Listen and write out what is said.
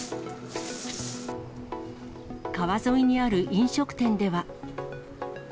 川沿いにある飲食店では。